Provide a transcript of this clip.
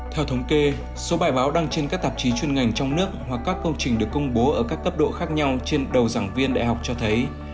theo thống kê số bài báo đăng trên các tạp chí chuyên ngành trong nước hoặc các công trình được công bố ở các cấp độ khác nhau trên đầu giảng viên đại học cho thấy